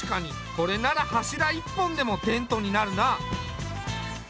これなら柱１本でもテントになるな。